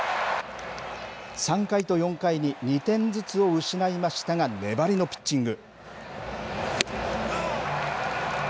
３回と４回に２点ずつを失いましたが、粘りのピッチング。